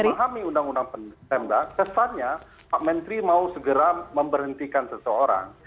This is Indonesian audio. kalau yang paham undang undang pemda kesannya pak menteri mau segera memberhentikan seseorang